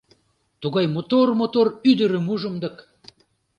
— Тугай мотор-мотор ӱдырым ужым дык...